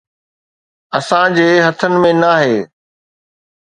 اسان جي هٿن ۾ ناهي